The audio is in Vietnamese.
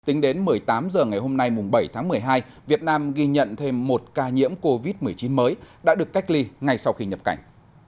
tính đến một mươi tám h ngày hôm nay bảy tháng một mươi hai việt nam ghi nhận thêm một ca nhiễm covid một mươi chín mới đã được cách ly ngay sau khi nhập cảnh